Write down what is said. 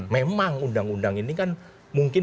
memang undang undang ini kan mungkin